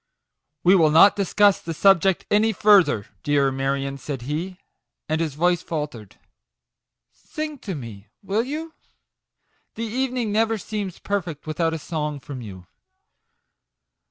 " We will not discuss the subject any fur ther, dear Marion/' said he, and his voice faltered. " Sing to me, will you ? The even ing never seems perfect without a song from you."